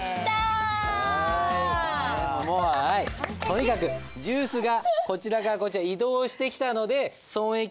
とにかくジュースがこちら側からこちら移動してきたので損益